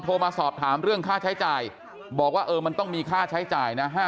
โทรมาสอบถามเรื่องค่าใช้จ่ายบอกว่าเออมันต้องมีค่าใช้จ่ายนะ